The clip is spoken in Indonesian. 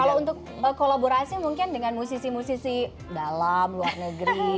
kalau untuk kolaborasi mungkin dengan musisi musisi dalam luar negeri